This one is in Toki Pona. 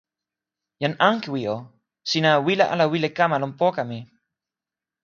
jan Ankewi o, sina wile ala wile kama lon poka mi?